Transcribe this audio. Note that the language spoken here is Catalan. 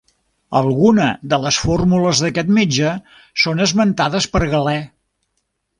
Alguna de les fórmules d'aquest metge són esmentades per Galè.